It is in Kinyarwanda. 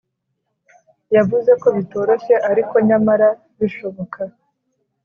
yavuze ko bitoroshye ariko nyamara bishoboka